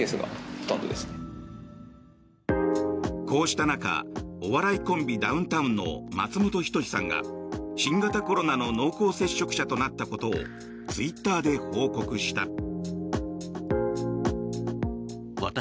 こうした中お笑いコンビ、ダウンタウンの松本人志さんが新型コロナの濃厚接触者となったことをツイッターで報告した。